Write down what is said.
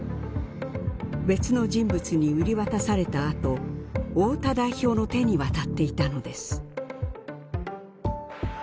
別の人物に売り渡されたあと太田代表の手に渡っていたのです。